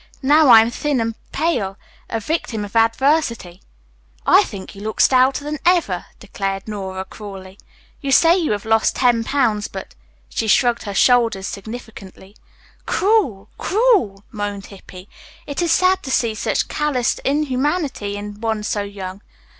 Now I am thin and pale, a victim of adversity." "I think you look stouter than ever," declared Nora cruelly. "You say you have lost ten pounds, but " she shrugged her shoulders significantly. "Cruel, cruel," moaned Hippy. "It is sad to see such calloused inhumanity in one so young.